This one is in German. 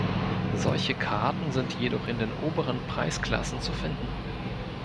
Solche Karten sind jedoch in den oberen Preisklassen zu finden.